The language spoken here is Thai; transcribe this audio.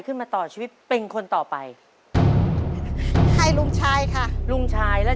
กำเดี๋ยวหมดแล้ว